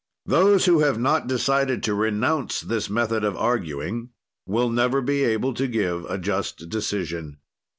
"Those who have not decided to renounce this method of arguing will never be able to give a just decision.